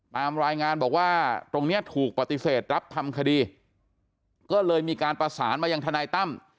ตามรายงานบอกว่าตรงเนี้ยถูกปฏิเสธรับทำคดีก็เลยมีการประสานมายังทนายตั้ม